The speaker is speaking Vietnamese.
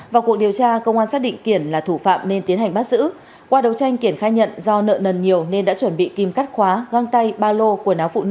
vào cuộc điều tra công an xác định kiển là thủ phạm nên tiến hành bắt giữ